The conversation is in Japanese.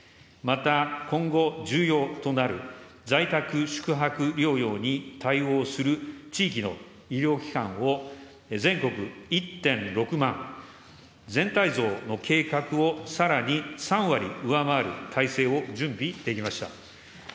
また今後、重要となる在宅、宿泊療養に対応する地域の医療機関を全国１．６万、全体像の計画をさらに３割上回る体制を準備できました。